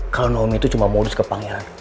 kalo naomi itu cuma mau dus ke pangeran